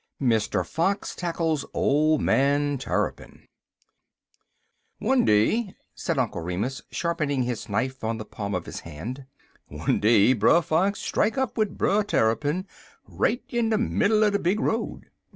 XII. MR. FOX TACKLES OLD MAN TARRYPIN "ONE day," said Uncle Remus, sharpening his knife on the palm of his hand "one day Brer Fox strike up wid Brer Tarrypin right in de middle er de big road.